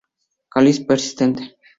Cáliz persistente.